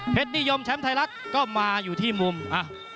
นิยมแชมป์ไทยรัฐก็มาอยู่ที่มุมอ่ะ